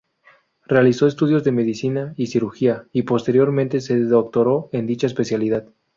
Realizó estudios de Medicina y Cirugía, y posteriormente se doctoró en dicha especialidad.